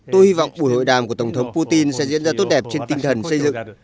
tôi hy vọng buổi hội đàm của tổng thống putin sẽ diễn ra tốt đẹp trên tinh thần xây dựng